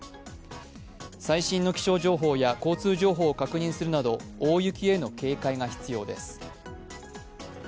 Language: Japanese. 最新の気象情報や交通情報を確認するなど大雪への警戒が必要です。